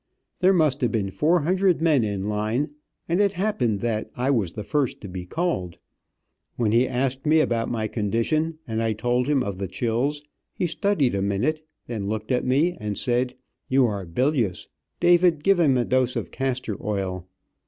There must have been four hundred men in line, and it happened that I was the first to be called. When he asked me about my condition, and I told him of the chills, he studied a minute, then looked at me, and said, You are bilious, David, give him a dose of castor oil.